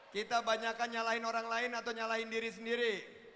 kita banyak menyalahkan orang lain atau menyalahkan diri sendiri